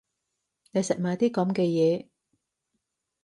你食埋啲噉嘅嘢